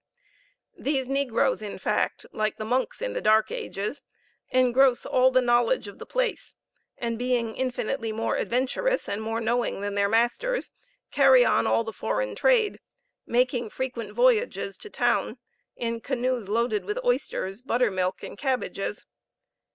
These negroes, in fact, like the monks in the dark ages, engross all the knowledge of the place, and, being infinitely more adventurous, and more knowing than their masters, carry on all the foreign trade, making frequent voyages to town in canoes loaded with oysters, buttermilk and cabbages.